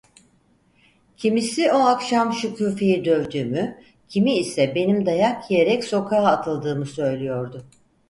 Kimisi o akşam Şükufe'yi dövdüğümü, kimi ise benim dayak yiyerek sokağa atıldığımı söylüyordu.